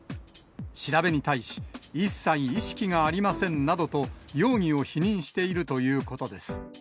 調べに対し、一切意識がありませんなどと、容疑を否認しているということです。